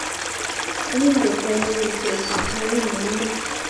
Anyiny kot kainengugn Jesu mami neu inye